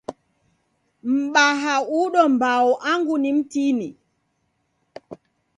Mbaha udo mbao angu ni mtini.